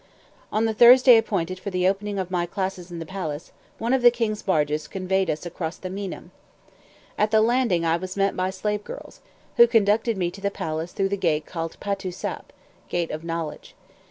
On the Thursday appointed for the opening of my classes in the palace, one of the king's barges conveyed us across the Meinam. At the landing I was met by slave girls, who conducted me to the palace through the gate called Patoo Sap, "Gate of Knowledge."